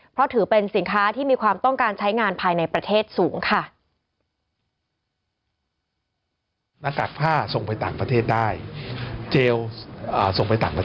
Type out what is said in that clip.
เพราะถือเป็นสินค้าที่มีความต้องการใช้งานภายในประเทศสูงค่ะ